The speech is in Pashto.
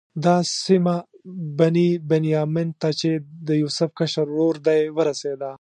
دا سیمه بني بنیامین ته چې د یوسف کشر ورور دی ورسېده.